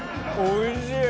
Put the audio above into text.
おいしい！